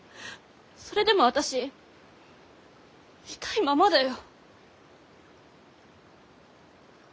それでもあたし痛いままだよ。